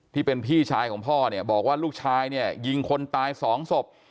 ที่เป็นพี่ชายของพ่อเนี่ยบอกว่าลูกชายเนี่ยยิงคนตายสองศพ